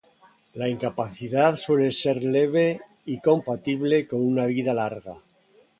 La incapacidad suele ser leve y compatible con una vida larga.